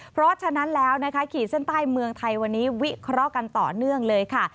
เพราะฉะนั้นแล้วนะคะขีดเส้นใต้เมืองไทยวันนี้วิเคราะห์กันต่อเนื่องเลยค่ะ